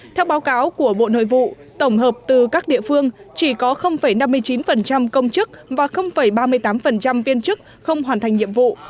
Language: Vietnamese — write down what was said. theo báo cáo của bộ nội vụ tổng hợp từ các địa phương chỉ có năm mươi chín công chức và ba mươi tám viên chức không hoàn thành nhiệm vụ